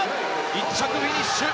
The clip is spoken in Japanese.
１着フィニッシュ。